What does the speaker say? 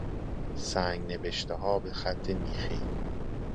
سنگ نبشتهها به خط میخی